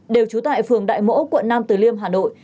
đều trú tại phường đại mỗ quận nam từ liêm hà nội